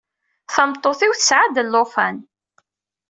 Tameṭṭut-iw tesɛa-d llufan.